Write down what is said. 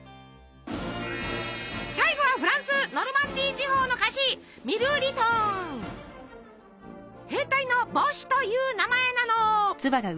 最後はフランスノルマンディー地方の菓子「兵隊の帽子」という名前なの。